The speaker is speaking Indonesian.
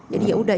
jadi ya sudah